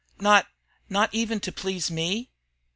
"Not not even to please me?"